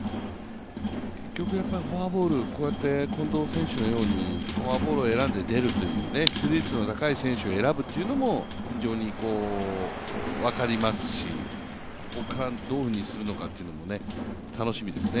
やっぱりフォアボール、近藤選手のようにフォアボールを選んで出るという出塁率の高い選手を選ぶっていうのも非常に分かりますしここからどうするのか楽しみです。